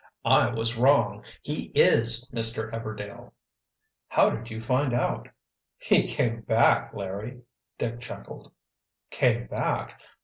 "I was wrong. He is Mr. Everdail." "How did you find out?" "He came back, Larry." Dick chuckled. "Came back?